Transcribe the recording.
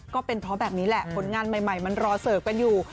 ก็เป็นเพราะแบบนี้แหละผลงานใหม่มันรอเสิร์ฟกันอยู่